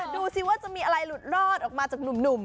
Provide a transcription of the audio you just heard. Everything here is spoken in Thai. ดูสิว่าจะมีอะไรหลุดรอดออกมาจากหนุ่ม